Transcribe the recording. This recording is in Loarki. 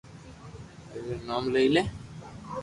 ھري رو نوم لئي جي